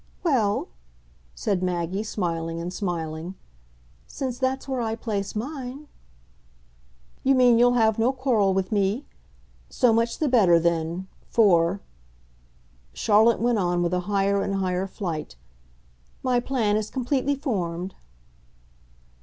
"Well," said Maggie smiling and smiling, "since that's where I place mine !" "You mean you'll have no quarrel with me? So much the better then; for," Charlotte went on with a higher and higher flight, "my plan is completely formed."